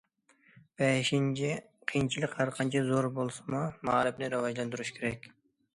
بەشىنچى، قىيىنچىلىق ھەرقانچە زور بولسىمۇ، مائارىپنى راۋاجلاندۇرۇش كېرەك.